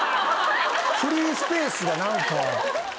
フリースペースが何か。